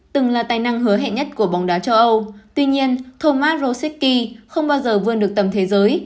từng là tài năng hứa hẹn nhất của bóng đá châu âu tuy nhiên thomas roseki không bao giờ vươn được tầm thế giới